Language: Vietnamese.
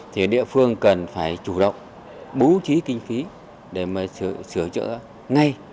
thì địa phương cần phải chủ động bú trí kinh phí để sửa chữa ngay